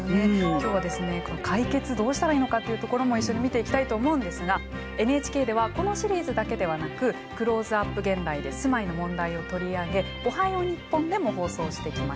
今日は解決どうしたらいいのかっていうところも一緒に見ていきたいと思うんですがＮＨＫではこのシリーズだけではなく「クローズアップ現代」で住まいの問題を取り上げ「おはよう日本」でも放送してきました。